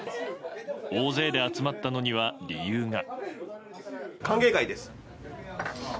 大勢で集まったのには理由が。